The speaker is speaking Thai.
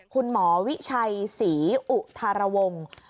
คุณหมอวิชัยศรีอุทารวงศ์